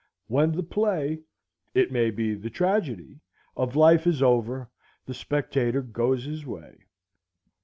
When the play, it may be the tragedy, of life is over, the spectator goes his way.